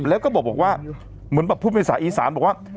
แล้วก็บอกว่าเหมือนแบบพูดภาษาอีสานบอกว่า